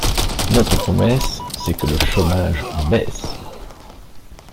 Notre promesse, c’est que le chômage baisse.